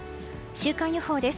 週間予報です。